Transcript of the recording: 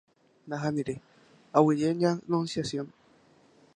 Nahániri aguyje ña Anunciación